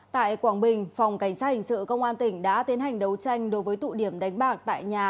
tại quảng bình phòng cảnh sát hình sự công an tỉnh đã tiến hành đấu tranh đối với tụ điểm đánh bạc tại nhà